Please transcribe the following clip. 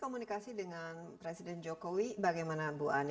komunikasi dengan presiden jokowi bagaimana bu ani